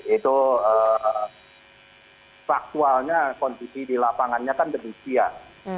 itu faktualnya kondisi di lapangannya kan demikian